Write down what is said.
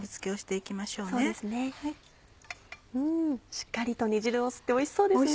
しっかりと煮汁を吸っておいしそうですね。